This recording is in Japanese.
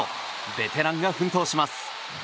ベテランが奮闘します。